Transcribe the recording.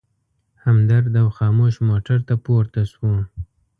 همدرد او خاموش موټر ته پورته شوو.